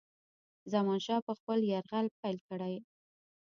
زمانشاه به خپل یرغل پیل کړي.